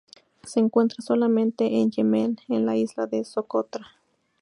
Se encuentra solamente en Yemen en la isla de Socotra.